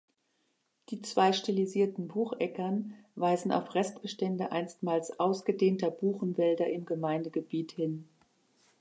Die zwei stilisierten Bucheckern weisen auf Restbestände einstmals ausgedehnter Buchenwälder im Gemeindegebiet hin.